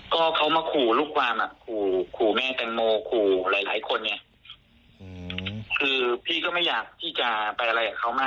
ก็เขามาขู่ลูกวาม